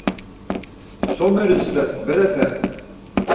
Someris ret berepe?